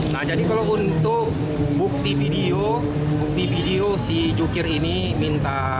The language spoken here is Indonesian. nah jadi kalau untuk bukti video di video si jukir ini minta